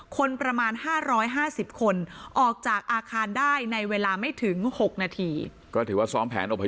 คนประมาณ๕๕๐คนออกจากอาคารได้ในเวลาไม่ถึง๖นาทีก็ถือว่าซ้อมแผนอพย